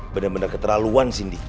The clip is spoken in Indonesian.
benar benar keterlaluan cindy